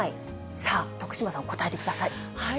さあ、徳島さん、答えてください。